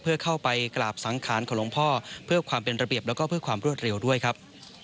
เพื่อเข้าไปกราบสังขารของหลวงพ่อเพื่อความเป็นระเบียบแล้วก็เพื่อความรวดเร็วด้วยครับ